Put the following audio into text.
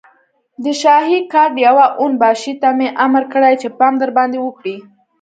د شاهي ګارډ يوه اون باشي ته مې امر کړی چې پام درباندې وکړي.